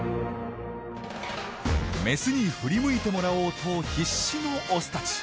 メスに振り向いてもらおうと必死のオスたち。